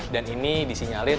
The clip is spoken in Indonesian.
dan ini disinyalin